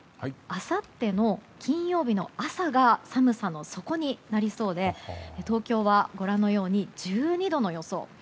あさっての金曜日の朝が寒さの底になりそうで、東京はご覧のように１２度の予想。